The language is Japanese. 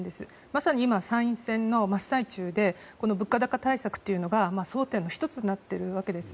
まさに今、参院選の真っ最中で物価高対策というのが争点の１つとなっているわけです。